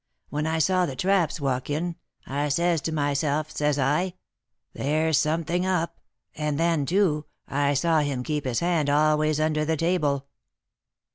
When I saw the traps walk in, I says to myself, says I, there's something up; and then, too, I saw him keep his hand always under the table."